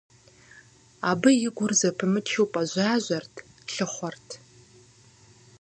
Абы и гур зэпымычу пӏэжьажьэрт, лъыхъуэрт.